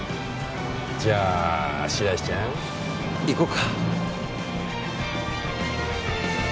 じゃあ白石ちゃん行こうか。